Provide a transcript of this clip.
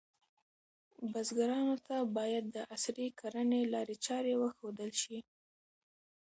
بزګرانو ته باید د عصري کرنې لارې چارې وښودل شي.